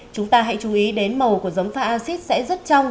chúng ta hãy chú ý đến màu của giống pha acid sẽ rất trong